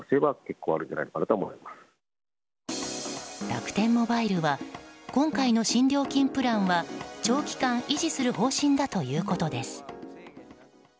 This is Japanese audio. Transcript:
楽天モバイルは今回の新料金プランは長期間維持する方針だということです。